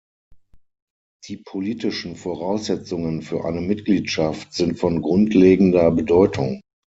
Die politischen Voraussetzungen für eine Mitgliedschaft sind von grundlegender Bedeutung.